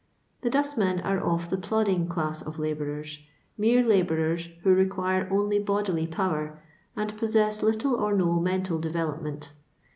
The dustmen are of the plodding class of labour ers, mere labourenL who require only bodily power, and possess little or no mental d«inlop ment.